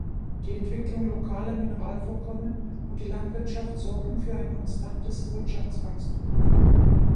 Die Entwicklung lokaler Mineralvorkommen und die Landwirtschaft sorgten für ein konstantes Wirtschaftswachstum.